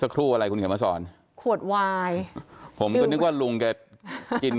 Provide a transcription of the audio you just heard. ครู่อะไรคุณเขียนมาสอนขวดวายผมก็นึกว่าลุงแกกิน